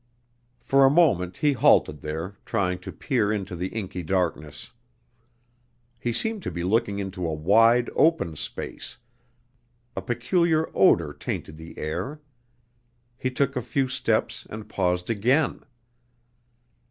For a moment he halted there, trying to peer into the inky darkness. He seemed to be looking into a wide, open space; a peculiar odor tainted the air. He took a few steps and paused again.